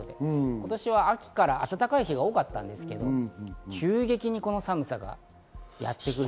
今年は秋から暖かい日が多かったんですが、急激にこの寒さがやってくる。